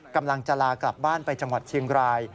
กำลังจะลากลับบ้านไปจังหวัดเชียงราย